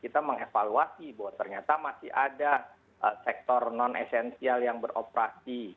kita mengevaluasi bahwa ternyata masih ada sektor non esensial yang beroperasi